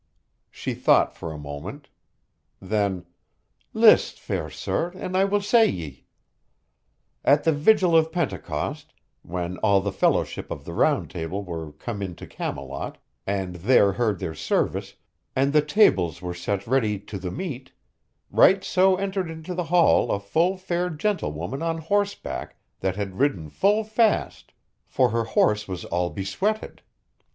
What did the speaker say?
She thought for a moment. Then, "List, fair sir, and I will say ye: At the vigil of Pentecost, when all the fellowship of the Round Table were come unto Camelot and there heard their service, and the tables were set ready to the meat, right so entered into the hall a full fair gentlewoman on horseback, that had ridden full fast, for her horse was all besweated.